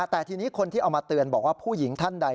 แต่ทีนี้คนที่เอามาเตือนบอกว่าผู้หญิงท่านใด